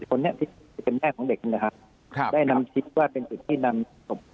คนที่เป็นแม่ของเด็กนึงนะครับได้นำคิดว่าเป็นสิ่งที่นำสม